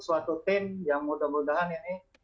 suatu tim yang mudah mudahan ini